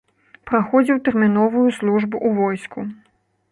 Праходзіў тэрміновую службу ў войску.